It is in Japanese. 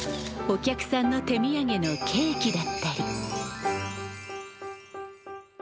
お客さんの手土産のケーキだったり。